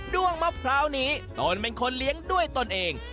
้วงมะพร้าวนี้ตนเป็นคนเลี้ยงด้วยตนเอง